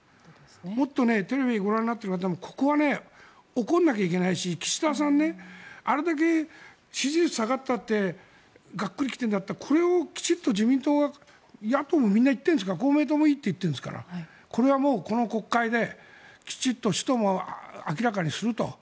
もっとテレビをご覧になっている方もここは怒らなきゃいけないし岸田さん、あれだけ支持率が下がったってがっくり来ているんだったらこれをきちんと公明党もいいと言っているんですからこれはもうこの国会できちんと使途も明らかにすると。